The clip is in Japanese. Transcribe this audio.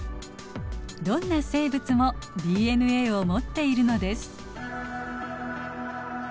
どんな生物もＤＮＡを持っているのです。